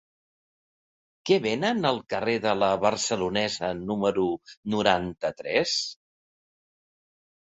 Què venen al carrer de La Barcelonesa número noranta-tres?